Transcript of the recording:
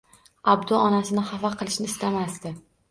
Abdu onasini xafa qilishni istamasdi